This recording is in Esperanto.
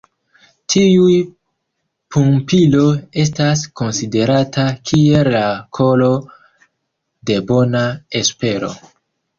Tiu pumpilo estas konsiderata kiel la koro de Bona Espero.